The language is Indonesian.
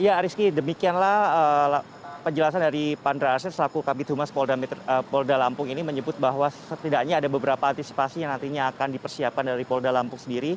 ya rizky demikianlah penjelasan dari pandra aset selaku kabit humas polda lampung ini menyebut bahwa setidaknya ada beberapa antisipasi yang nantinya akan dipersiapkan dari polda lampung sendiri